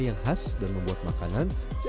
yang khas dan membuat makanan